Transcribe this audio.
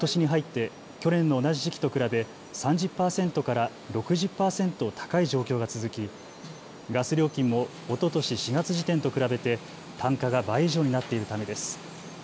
工場の電気料金がことしに入って去年の同じ時期と比べ３０％から６０％高い状況が続きガス料金もおととし４月時点と比べて単価が倍以上になっているためです。